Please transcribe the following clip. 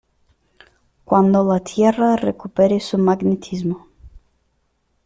cuando la Tierra recupere su magnetismo